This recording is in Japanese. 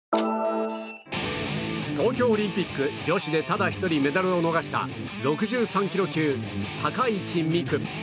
東京オリンピック女子でただ１人メダルを逃した６３ｋｇ級、高市未来。